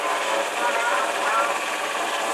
個名啱唔啱